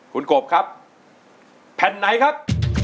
คุณกบครับแผ่นไหนครับ